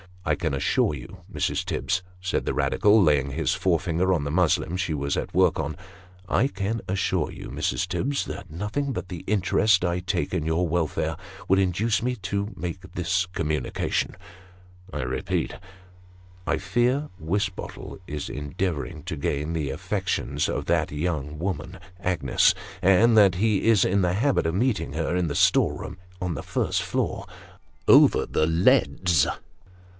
" I can assure you, Mrs. Tibbs," said the Radical, laying his fore 228 Sketches by Bos. finger on the muslin she was at work on ; "I can assure you, Mrs. Tibbs, that nothing but the interest I take in your welfare would induce me to make this communication. I repeat, I fear Wisbottle is endeavouring to gain the affections of that young woman, Agnes, and that he is in the habit of meeting her in the store room on the first floor, over the leads.